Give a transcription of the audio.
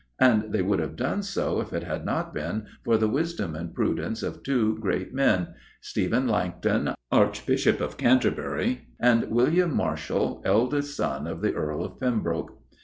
And they would have done so if it had not been for the wisdom and prudence of two great men Stephen Langton, Archbishop of Canterbury, and William Marshal, eldest son of the Earl of Pembroke.